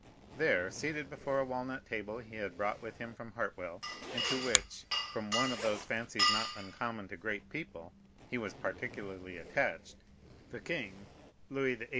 There, seated before a walnut table he had brought with him from Hartwell, and to which, from one of those fancies not uncommon to great people, he was particularly attached, the king, Louis XVIII.